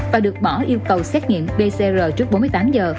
và được bỏ yêu cầu xét nghiệm pcr trước bốn mươi tám giờ